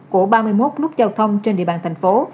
của ba mươi một nút giao thông trên địa bàn thành phố